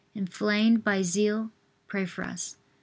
inflamed by zeal, pray for us.